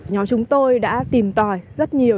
nhóm chúng tôi đã tìm tòi rất nhiều